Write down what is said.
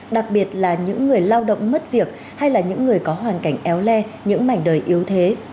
đặc biệt là những người lao động mất việc hay là những người có hoàn cảnh éo le những mảnh đời yếu thế